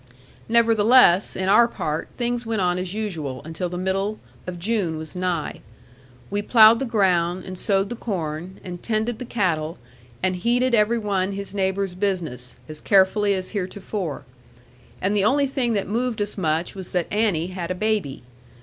Nevertheless, in our part, things went on as usual, until the middle of June was nigh. We ploughed the ground, and sowed the corn, and tended the cattle, and heeded every one his neighbour's business, as carefully as heretofore; and the only thing that moved us much was that Annie had a baby.